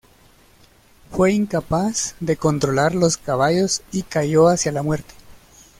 Fue incapaz de controlar los caballos y cayó hacia la muerte.